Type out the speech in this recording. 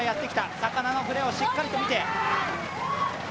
魚の骨をしっかりと見て。